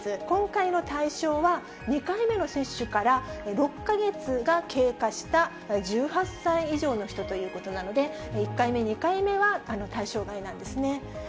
今回の対象は、２回目の接種から６か月が経過した、１８歳以上の人ということなので、１回目、２回目は対象外なんですね。